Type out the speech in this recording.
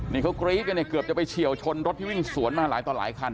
นี่เขากรี๊ดกันเนี่ยเกือบจะไปเฉียวชนรถที่วิ่งสวนมาหลายต่อหลายคัน